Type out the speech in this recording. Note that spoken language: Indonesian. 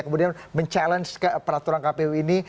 kemudian mencabar peraturan kpu ini